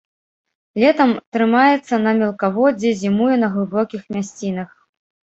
Летам трымаецца на мелкаводдзі, зімуе на глыбокіх мясцінах.